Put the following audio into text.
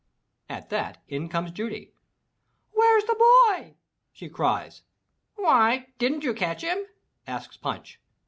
At that, in comes Judy. "Where's the boy?" she cries. "Why, didn't you catch him?" asks Punch.